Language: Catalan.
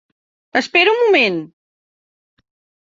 Espera un moment!